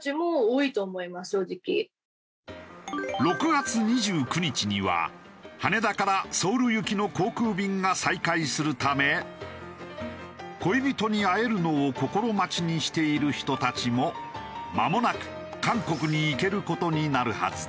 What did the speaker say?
６月２９日には羽田からソウル行きの航空便が再開するため恋人に会えるのを心待ちにしている人たちもまもなく韓国に行ける事になるはずだ。